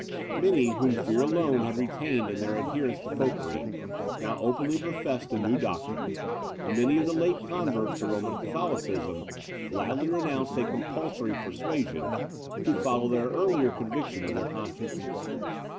Many, whom fear alone had retained in their adherence to Popery, now openly professed the new doctrine; and many of the late converts to Roman Catholicism gladly renounced a compulsory persuasion, to follow the earlier conviction of their conscience.